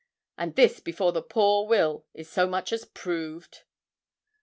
And this before the poor will is so much as proved!'